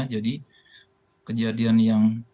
jadi kejadian yang